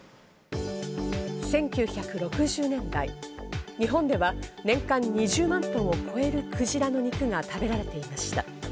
１９６０年代、日本では年間２０万トンを超える鯨の肉が食べられていました。